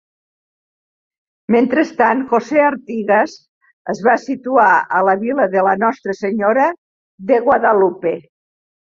Mentrestant José Artigas es va situar a la vila de La nostra Senyora de Guadalupe.